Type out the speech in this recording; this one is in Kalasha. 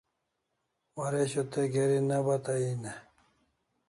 Waresho te geri ne bata en e?